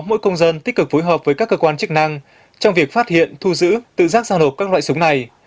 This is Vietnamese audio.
mỗi công dân tích cực phối hợp với các cơ quan chức năng trong việc phát hiện thu giữ tự giác giao nộp các loại súng này